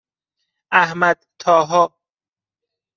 احمدطاها